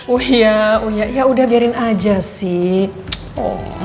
oh iya yaudah biarin aja sih